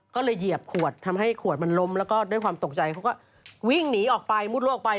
ก็เลยเหยียบขวดทำให้ขวดมันล้มแล้วก็ด้วยความตกใจเขาก็วิ่งหนีออกไปมุดลวกไป